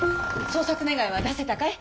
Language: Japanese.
捜索願いは出せたかい？